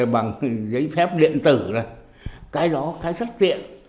bằng giấy phép điện tử này cái đó khá rất tiện